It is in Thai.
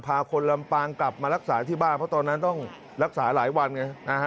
พาคนลำปางกลับมารักษาที่บ้านเพราะตอนนั้นต้องรักษาหลายวันไง